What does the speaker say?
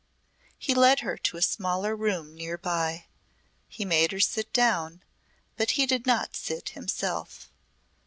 He led her to a smaller room near by. He made her sit down, but he did not sit himself.